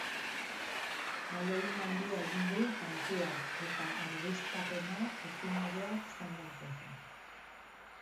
Ahalegin handia egin du jantziak eta argiztapena ezin hobeak izan daitezen.